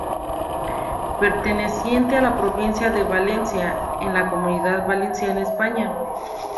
Perteneciente a la provincia de Valencia, en la Comunidad Valenciana, España.